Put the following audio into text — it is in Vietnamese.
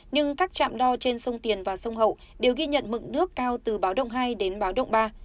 nhưng các trạm đo trên sông tiền và sông hậu đều ghi nhận mực nước cao từ báo động hai đến báo động ba